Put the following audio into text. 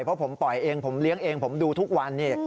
เพราะผมปล่อยเองผมเลี้ยงเองผมดูทุกวันนี่